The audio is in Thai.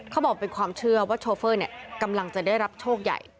เขาบอกเป็นความเชื่อว่าโชเฟอร์กำลังจะได้รับโชคใหญ่